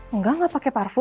enggak gak pakai parfum